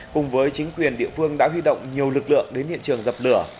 cùng với chính quyền địa phương đã huy động nhiều lực lượng đến hiện trường dập lửa